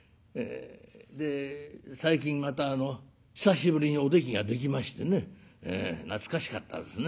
で最近また久しぶりにおできができましてね懐かしかったですね。